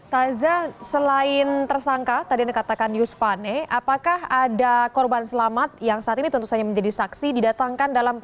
taza selain tersangka tadi yang dikatakan yus pane apakah ada korban selamat yang saat ini tentu saja menjadi saksi didatangkan dalam kasus